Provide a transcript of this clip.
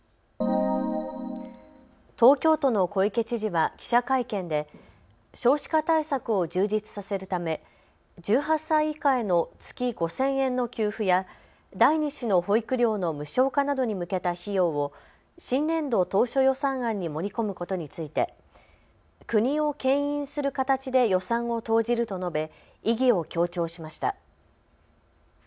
東京都の小池知事は記者会見で少子化対策を充実させるため１８歳以下への月５０００円の給付や第２子の保育料の無償化などに向けた費用を新年度当初予算案に盛り込むことについて国をけん引する形で予算を投じると述べ意義を強調しました。